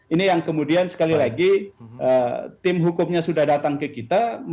ini yang kemudian sekali lagi tim hukumnya sudah datang ke kita